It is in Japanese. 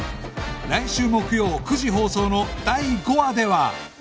来週木曜９時放送の第５話では